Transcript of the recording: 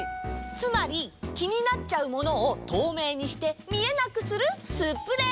つまりきになっちゃうものをとうめいにしてみえなくするスプレー！